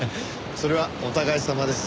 それはお互いさまです。